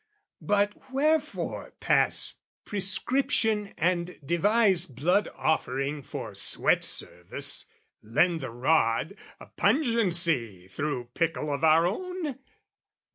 But where fore pass prescription and devise Blood offering for sweat service, lend the rod A pungency through pickle of our own?